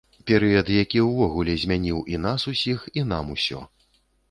Перыяд, які ўвогуле змяніў і нас усіх, і нам усё.